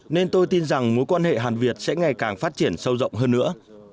nên tôi tin rằng mối quan hệ hàn việt sẽ ngày càng phát triển sâu rộng hơn nữa